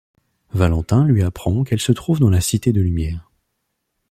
Valentin lui apprend qu’elle se trouve dans la Cité de lumière.